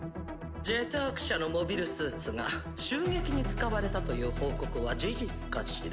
「ジェターク社」のモビルスーツが襲撃に使われたという報告は事実かしら？